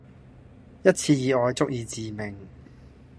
一次意外、足以致命